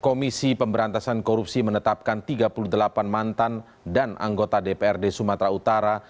komisi pemberantasan korupsi menetapkan tiga puluh delapan mantan dan anggota dprd sumatera utara